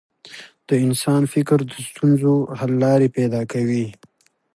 د انسان فکر د ستونزو حل لارې پیدا کوي.